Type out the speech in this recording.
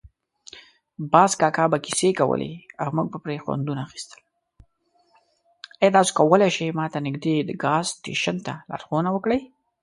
ایا تاسو کولی شئ ما ته نږدې د ګاز سټیشن ته لارښوونه وکړئ؟